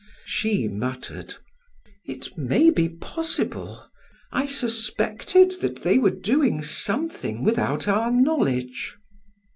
She muttered: "It may be possible. I suspected that they were doing something without our knowledge."